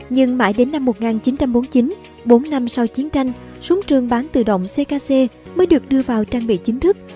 nhưng mãi đến năm một nghìn chín trăm bốn mươi chín bốn năm sau chiến tranh súng trường bán tự động ckc mới được đưa vào trang bị chính thức